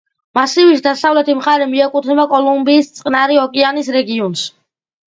მასივის დასავლეთი მხარე მიეკუთვნება კოლუმბიის წყნარი ოკეანის რეგიონს.